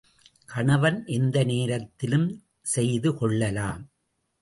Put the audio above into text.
கணவன் எந்த நேரத்திலும் செய்துகொள்ளலாம்.